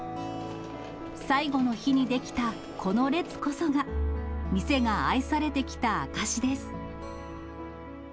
最後の日に出来たこの列こそが、店が愛されてきた証しです。